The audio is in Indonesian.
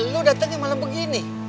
lu datengnya malam begini